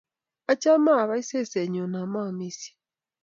Achame apai sesennyu ama amisye.